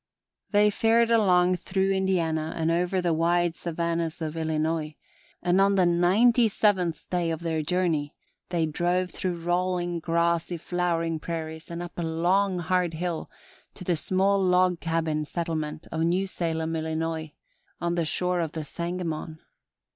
They fared along through Indiana and over the wide savannas of Illinois, and on the ninety seventh day of their journey they drove through rolling, grassy, flowering prairies and up a long, hard hill to the small log cabin settlement of New Salem, Illinois, on the shore of the Sangamon.